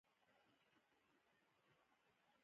هغه د خوښ شګوفه پر مهال د مینې خبرې وکړې.